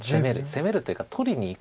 攻めるというか取りにいくまで。